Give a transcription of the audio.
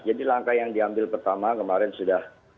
jadi langkah yang diambil pertama kemarin sudah